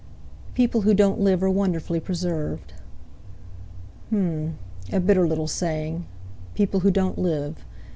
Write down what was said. "People who don't live are wonderfully preserved." H'm! a bitter little saying! People who don't live!